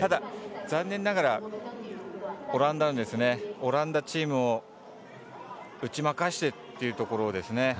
ただ、残念ながらオランダチームを打ち負かしてというところですね。